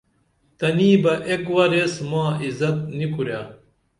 تنی بہ ایک ور ایس ماں عزت نی کُرے